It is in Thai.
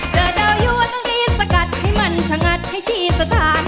เจอดาวยวนต้องรีบสกัดให้มันชะงัดให้ชีสถาน